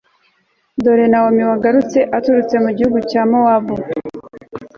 dore nawomi wagarutse aturutse mu gihugu cya mowabu